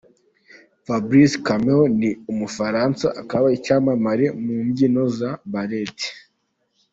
Fabrice Camels: ni umufaransa akaba icyamamare mu mbyino za ballet,.